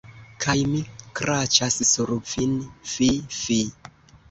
Kaj mi kraĉas sur vin, fi, fi.